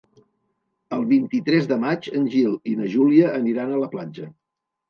El vint-i-tres de maig en Gil i na Júlia aniran a la platja.